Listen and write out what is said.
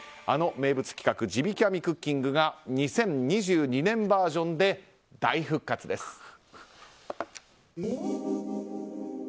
あの名物企画地引き網クッキングが２０２２年バージョンで大復活です。